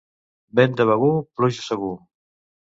Vent de Begur pluja segur.